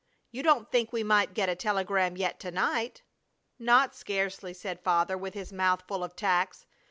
You don't think we might get a telegram yet to night?" "Not scarcely!" said Father, with his mouth full of tacks.